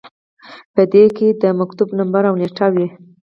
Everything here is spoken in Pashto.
په دې کې د مکتوب نمبر او نیټه وي.